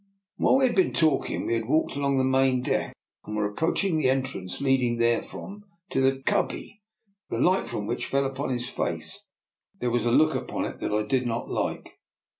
" While we had been talking we had walked along the main deck, and were approaching the entrance leading therefrom to the cubby, the light from which fell upon his face. There was a look upon it that I did not like.